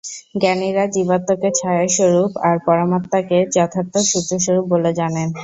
জ্ঞানীরা জীবাত্মাকে ছায়াস্বরূপ, আর পরমাত্মাকে যথার্থ সূর্যস্বরূপ বলে জানেন।